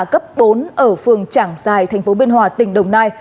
cấp bốn ở phường trảng giài thành phố biên hòa tỉnh đồng nai